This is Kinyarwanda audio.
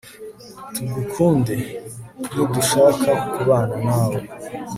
tugukunde, nidushaka kubana nawe